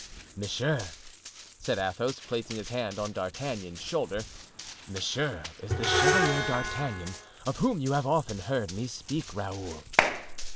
"Monsieur," said Athos, placing his hand on D'Artagnan's shoulder, "monsieur is the Chevalier D'Artagnan of whom you have often heard me speak, Raoul."